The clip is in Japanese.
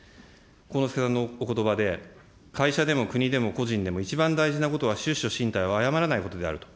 幸之助さんのおことばで、会社でも国でも個人でも、一番大事なことは出処進退を誤らないことであると。